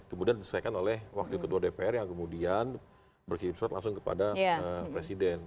kemudian diselesaikan oleh wakil ketua dpr yang kemudian berkirim surat langsung kepada presiden